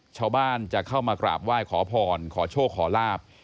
ชาวบ้านจะเข้ามากราบไหว้ขอพรขอโชคขอลาบ